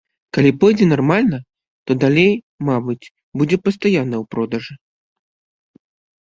Калі пойдзе нармальна, то далей, мабыць, будзе пастаянна ў продажы.